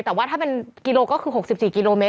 แต่ว่าทหารรถก็คือ๖๔กิโลเมตร